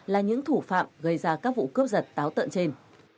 là những thủ phạm gây ra các vụ cướp giật táo tợn trên